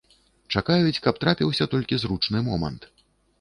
Чакаюць, каб трапіўся толькі зручны момант.